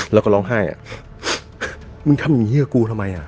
แล้วก็ร้องไห้อ่ะมึงทำอย่างนี้กับกูทำไมอ่ะ